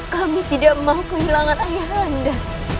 kami tidak mau kehilangan ayah anda